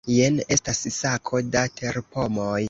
Jen estas sako da terpomoj.